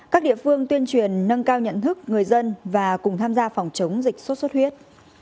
các địa phương tuyên truyền nâng cao nhận thức người dân và cùng tham gia phòng chống dịch sốt xuất huyết